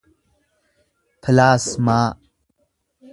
pilaasmaa